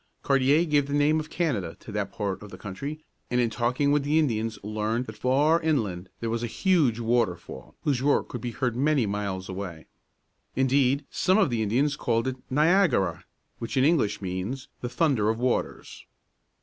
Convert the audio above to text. Cartier gave the name of Can´a da to part of the country, and in talking with the Indians learned that far inland there was a huge waterfall, whose roar could be heard many miles away. Indeed, some of the Indians called it Ni ag´a ra, which in English means "The Thunder of Waters."